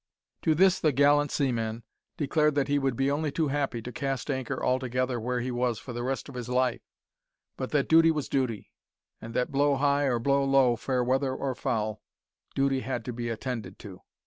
To this the gallant seaman declared that he would be only too happy to cast anchor altogether where he was for the rest of his life, but that duty was duty, and that, blow high or blow low, fair weather or foul, duty had to be attended to.